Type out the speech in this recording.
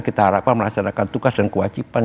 kita harapkan melaksanakan tugas dan kewajiban